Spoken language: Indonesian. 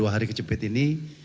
hari kecepet ini